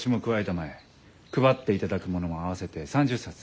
配っていただくものも合わせて３０冊。